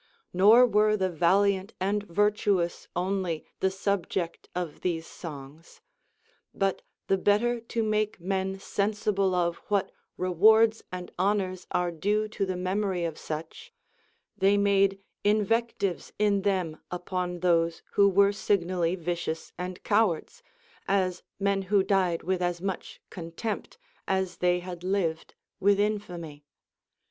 Nor Avere the valiant and virtuous only the subject of these songs ; but the better to make men sensible of what rewards and hon ors are due to the memory of such, they made invectives in them upon those who were signally vicious and cowards, as men who died with as much contempt as they had lived with infamy.